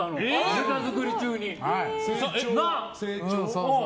ネタ作り中に。